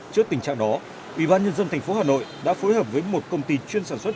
trước tình trạng đó ủy ban nhân dân tp hà nội đã phối hợp với một công ty chuyên sản xuất